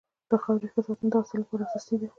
د خاورې ښه ساتنه د حاصل لپاره اساسي ده.